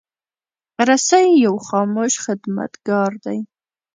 رسۍ یو خاموش خدمتګار دی.